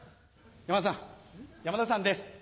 山田さん山田さんです。